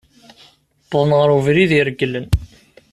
Wwḍent ɣer ubrid ireglen.